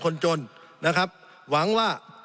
สงบจนจะตายหมดแล้วครับ